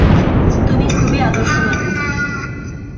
তুমি খুবই আদর্শবাদী।